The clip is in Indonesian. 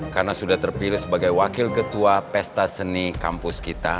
karena sudah terpilih sebagai wakil ketua pesta seni kampus kita